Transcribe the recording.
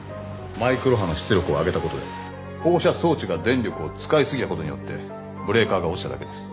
マイクロ波の出力を上げたことで放射装置が電力を使い過ぎたことによってブレーカーが落ちただけです。